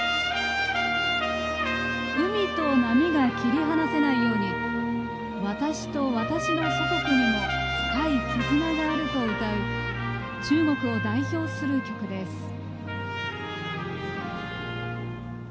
「海と波が切り離せないように私と私の祖国にも深い絆がある」と歌う中国を代表する曲です。